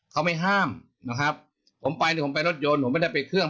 เขาไม่ห้ามนะครับผมไปเนี่ยผมไปรถยนต์ผมไม่ได้ไปเครื่อง